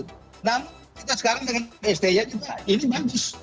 namun kita sekarang dengan sti juga ini bagus